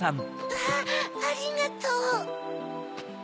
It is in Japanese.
あっありがとう。